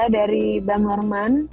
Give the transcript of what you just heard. dari bang norman